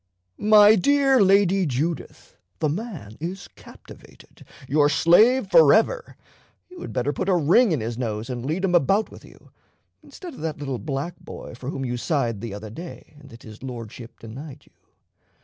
"My dear Lady Judith, the man is captivated your slave forever. You had better put a ring in his nose and lead him about with you, instead of that little black boy for whom you sighed the other day, and that his Lordship denied you.